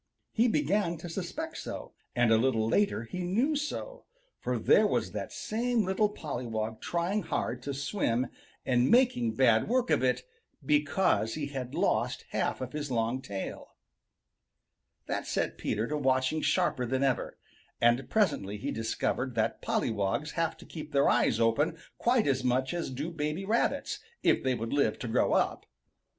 He began to suspect so, and a little later he knew so, for there was that same little pollywog trying hard to swim and making bad work of it, because he had lost half of his long tail. That set Peter to watching sharper than ever, and presently he discovered that pollywogs have to keep their eyes open quite as much as do baby Rabbits, if they would live to grow up.